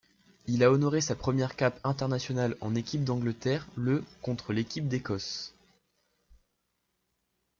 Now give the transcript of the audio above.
Il a honoré sa première cape internationale en équipe d'Angleterre le contre l'équipe d'Écosse.